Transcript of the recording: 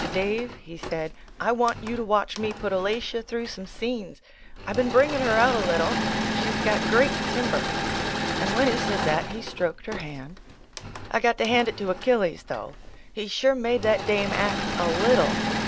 "Dave," he said, "I want you to watch me put Alatia through some scenes. I been bringing her out a little. She's got great timber." And when he said that he stroked her hand. 1 got to hand it to Achilles, though. He sure made that dame act a little.